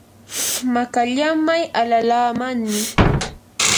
makallamay alalaamanmi.